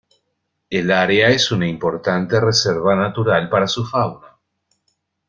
El área es una importante reserva natural para su fauna.